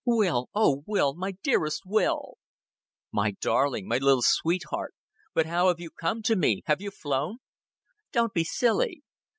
"Will, oh, Will. My dearest Will! "My darling my little sweetheart. But how have you come to me have you flown?" "Don't be silly."